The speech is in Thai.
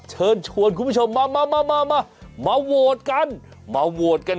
เชิญชวนคุณผู้ชมมามาโหวตกัน